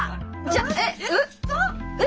じゃあえっえっ。